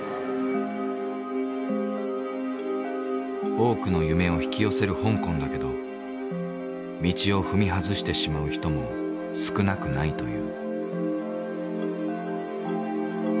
多くの夢を引き寄せる香港だけど道を踏み外してしまう人も少なくないという。